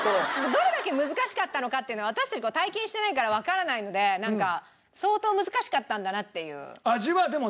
どれだけ難しかったのかっていうのを私たちは体験していないからわからないのでなんか相当難しかったんだなっていう。